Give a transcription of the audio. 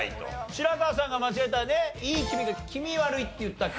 白河さんが間違えたいい気味が気味悪いって言ったっけ？